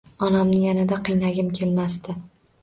Onamni yanada qiynagim kelmasdi.